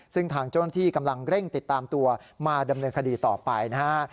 ซึ่งทางเจ้าหน้าที่กำลังเร่งติดตามตัวมาดำเนินคดีต่อไปนะฮะ